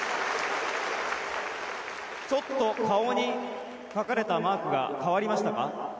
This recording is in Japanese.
ちょっと顔に描かれたマークが変わりましたか？